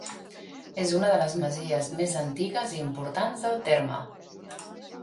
És una de les masies més antigues i importants del terme.